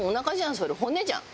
それ骨じゃん。